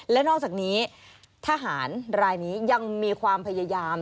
และนอกจากนี้ทหารรายนี้ยังมีความพยายาม